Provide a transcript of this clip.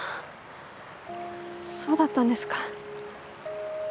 そうだったんですか。